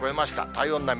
体温並み。